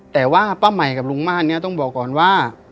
แต่ว่าป้าใหม่กับลุงม่านเนี่ยต้องบอกก่อนว่า